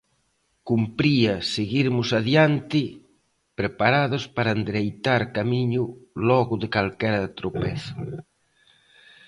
Cumpría seguirmos adiante, preparados para endereitar camiño logo de calquera tropezo.